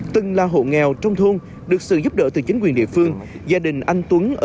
từng là hộ nghèo trong thôn được sự giúp đỡ từ chính quyền địa phương